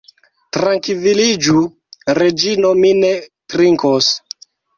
Trankviliĝu, Reĝino; mi ne trinkos.